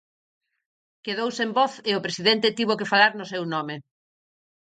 Quedou sen voz e o presidente tivo que falar no seu nome.